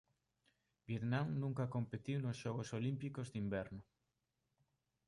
Vietnam nunca competiu nos Xogos Olímpicos de Inverno.